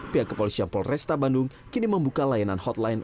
pihak kepolisian polresta bandung kini membuka layanan hotline